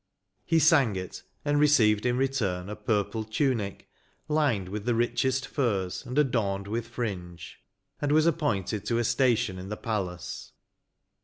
He sang it, and received in return a purple tunic, lined with the richest furs, and adorned with fringe ; and was appointed to a station in the palace."